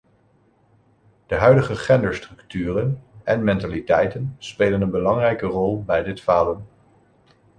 De huidige genderstructuren en mentaliteiten spelen een belangrijke rol bij dit falen.